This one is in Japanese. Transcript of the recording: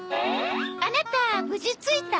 アナタ無事着いた？